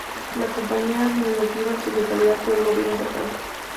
La compañía era administrada en su totalidad por el gobierno estatal.